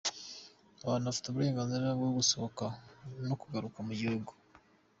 Abantu bafite uburenganzira bw’ugusohoka n’ukugaruka mu gihugu.